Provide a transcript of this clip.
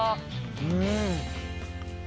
うん。